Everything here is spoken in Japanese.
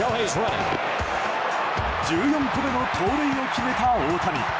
１４個目の盗塁を決めた大谷。